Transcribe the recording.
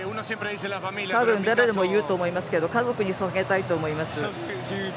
誰でも言うと思いますけど家族にささげたいと思います。